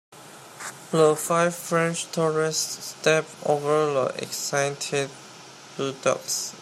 The five French tourists stepped over the excited bulldogs.